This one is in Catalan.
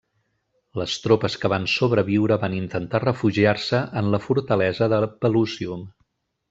Les tropes que van sobreviure van intentar refugiar-se en la fortalesa de Pelusium.